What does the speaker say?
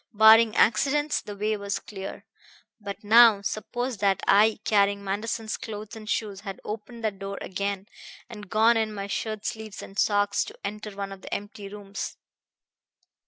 Barring accidents, the way was clear. But now suppose that I, carrying Manderson's clothes and shoes, had opened that door again and gone in my shirt sleeves and socks to enter one of the empty rooms.